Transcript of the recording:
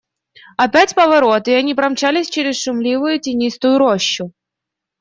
Опять поворот, и они промчались через шумливую тенистую рощу.